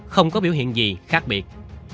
không có biểu hiện gì khác biệt